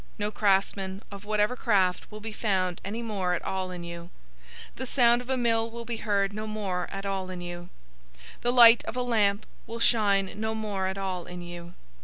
No craftsman, of whatever craft, will be found any more at all in you. The sound of a mill will be heard no more at all in you. 018:023 The light of a lamp will shine no more at all in you.